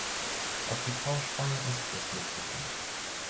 Ob die Frau schwanger ist, ist nicht bekannt.